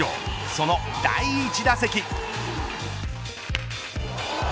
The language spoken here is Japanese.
その第１打席。